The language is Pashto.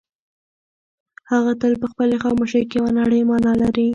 هغه تل په خپلې خاموشۍ کې یوه نړۍ مانا لري.